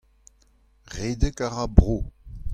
Redek a ra bro.